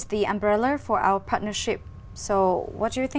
để tập trung vào một kế hoạch mới